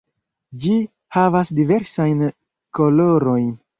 Ĝi havas diversajn kolorojn.